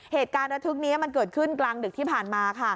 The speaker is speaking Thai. เหตุการณ์และทุกข์นี้เกิดขึ้นกลางดึกที่ผ่านมา